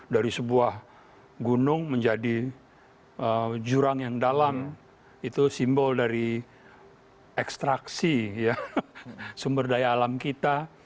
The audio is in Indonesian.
dari sebuah gunung menjadi jurang yang dalam itu simbol dari ekstraksi sumber daya alam kita